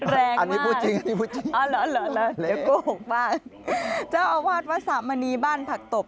แรงมากอันนี้พูดจริงเล่นโกหกมากจ้าอาวาสวัสดิ์สามณีบ้านผักตบ